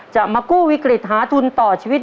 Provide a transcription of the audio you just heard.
จะมากู้วิกฤตหาทุนต่อชีวิต